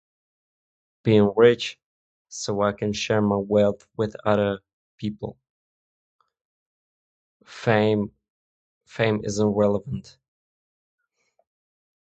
Being rich, so I can share my wealth with other people. Fame... fame is irrelevant.